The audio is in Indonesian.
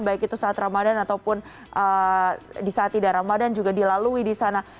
baik itu saat ramadan ataupun di saat tidak ramadan juga dilalui di sana